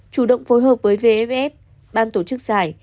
chủ động phối hợp với vff ban tổ chức giải